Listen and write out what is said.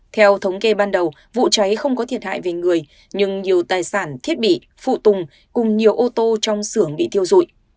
theo thống kê ban đầu vụ cháy không có thiệt hại về người nhưng nhiều tài sản thiết bị phụ tùng cùng nhiều ô tô trong xưởng bị thiêu rụi